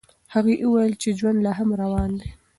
هغې وویل چې ژوند لا هم روان دی.